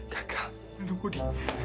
gagal nunggu di